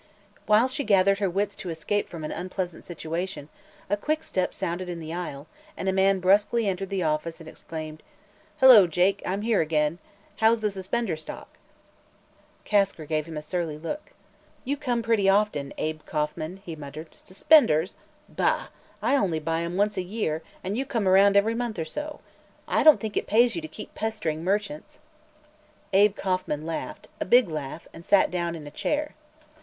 While she gathered her wits to escape from an unpleasant situation, a quick step sounded on the aisle and a man brusquely entered the office and exclaimed: "Hello, Jake; I'm here again. How's the suspender stock?" Kasker gave him a surly look. "You come pretty often, Abe Kauffman," he muttered. "Suspenders? Bah! I only buy 'em once a year, and you come around ev'ry month or so. I don't think it pays you to keep pesterin' merchants." Abe Kauffman laughed a big laugh and sat down in a chair.